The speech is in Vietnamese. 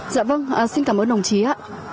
dạ vâng xin cảm ơn đồng chí ạ